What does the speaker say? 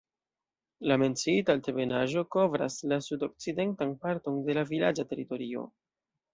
La menciita altebenaĵo kovras la sudokcidentan parton de la vilaĝa teritorio.